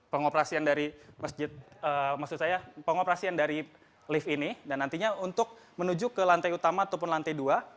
pengoperasian dari lift ini dan nantinya untuk menuju ke lantai utama ataupun lantai dua